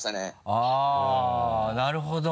あぁなるほど。